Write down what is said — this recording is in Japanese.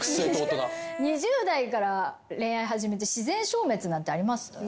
２０代から恋愛始めて自然消滅なんてあります？